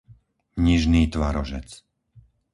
Nižný Tvarožec